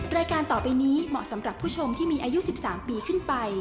รายการต่อไปนี้เหมาะสำหรับผู้ชมที่มีอายุ๑๓ปีขึ้นไป